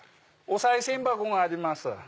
おさい銭箱があります。